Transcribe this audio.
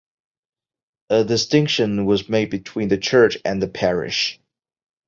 A distinction was made between the church and the parish.